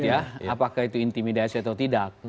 apakah itu intimidasi atau tidak